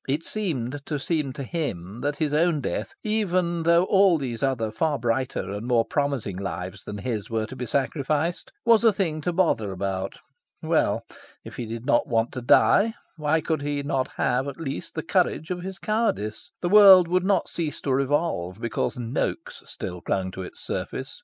It seemed to seem to him that his own death, even though all those other far brighter and more promising lives than his were to be sacrificed, was a thing to bother about. Well, if he did not want to die, why could he not have, at least, the courage of his cowardice? The world would not cease to revolve because Noaks still clung to its surface.